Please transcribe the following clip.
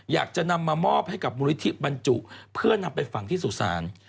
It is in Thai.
อยากจะนำมามอบให้กับมูลนิธิบรรจุเพื่อนำไปฝังที่สุสาน